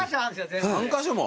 ３カ所も？